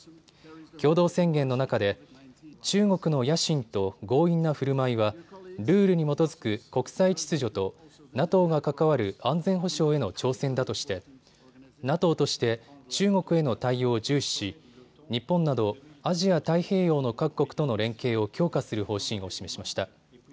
共同宣言の中で中国の野心と強引なふるまいはルールに基づく国際秩序とＮＡＴＯが関わる安全保障への挑戦だとしてＮＡＴＯとして中国への対応を重視し、日本などアジア太平洋の各国との連携を強化する方針を示しました。